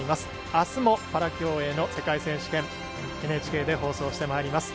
あすもパラ競泳の世界選手権ＮＨＫで放送してまいります。